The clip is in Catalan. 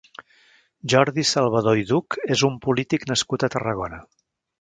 Jordi Salvador i Duch és un polític nascut a Tarragona.